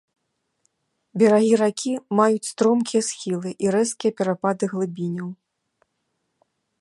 Берагі ракі маюць стромкія схілы і рэзкія перапады глыбіняў.